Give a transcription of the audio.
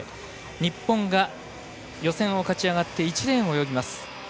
日本が予選を勝ち上がって１レーンを泳ぎます。